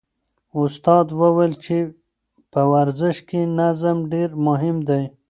استاد وویل چې په ورزش کې نظم ډېر مهم دی.